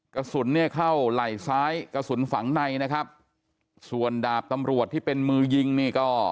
กระสุนเนี่ยเข้าไหล่ซ้ายกระสุนฝังในนะครับส่วนดาบตำรวจที่เป็นมือยิงนี่ก็